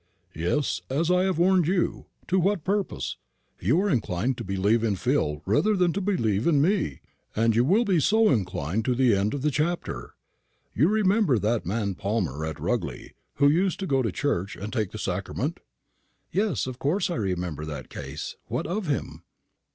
"Yes; as I have warned you. To what purpose? You are inclined to believe in Phil rather than to believe in me, and you will be so inclined to the end of the chapter. You remember that man Palmer, at Rugely, who used to go to church, and take the sacrament?" "Yes; of course I remember that case. What of him?"